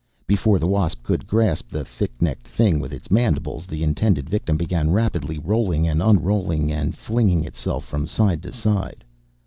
Before the wasp could grasp the thick neck with its mandibles, the intended victim began rapidly rolling and unrolling and flinging itself from side to side.